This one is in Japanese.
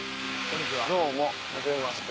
どうもはじめまして。